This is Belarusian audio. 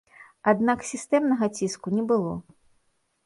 Аднак сістэмнага ціску не было.